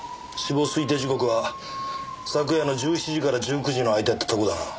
死亡推定時刻は昨夜の１７時から１９時の間ってとこだな。